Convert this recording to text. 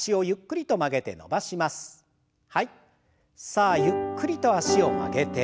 さあゆっくりと脚を曲げて。